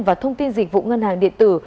và thông tin dịch vụ ngân hàng điện tử